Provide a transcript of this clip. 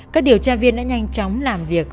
các điều tra viên đã nhanh chóng làm việc